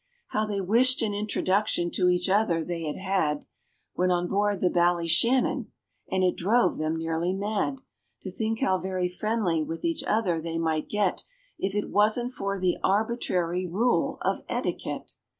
How they wished an introduction to each other they had had When on board the Ballyshannon! And it drove them nearly mad, To think how very friendly with each other they might get, If it wasn't for the arbitrary rule of etiquette!